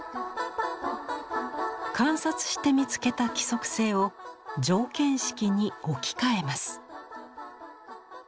観察して見つけた規則性を条件式に置き換えます。